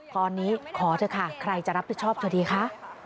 ตอนนี้ขอเถอะค่ะใครจะรับผิดชอบเธอดีคะ